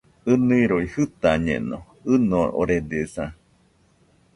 ɨniroi jɨtañeno, ɨnoredesa.